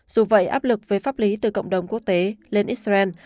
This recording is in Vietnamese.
dù vậy áp lực về pháp lý từ cộng đồng quốc tế lên israel